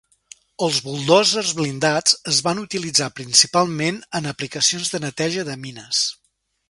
Els buldòzers blindats es van utilitzar principalment en aplicacions de neteja de mines.